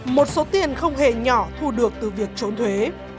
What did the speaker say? một số tiền không hề nhỏ thu được từ việc trốn thuế